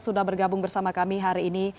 sudah bergabung bersama kami hari ini